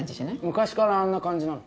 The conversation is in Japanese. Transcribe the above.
昔からあんな感じなの？